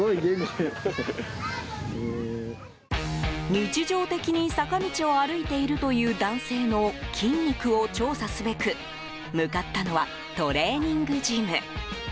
日常的に坂道を歩いているという男性の筋肉を調査すべく向かったのはトレーニングジム。